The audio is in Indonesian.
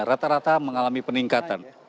rata rata mengalami peningkatan